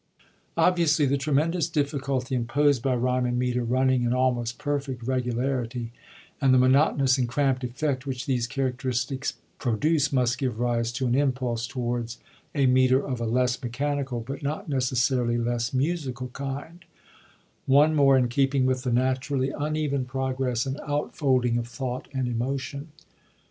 Obviously the tremendous difficulty imposed by ryme and metre running in almost perfect regularity, and the monotonous and crampt effect which these characteristics produce, must give rise to an impulse towards a metre of a less mechanical, but not necessarily less musical kind — one more in keeping with the naturally uneven 88 R£VI£W OP TH£ FIRST P£RIO0 progress and outfolding of thought and emotion.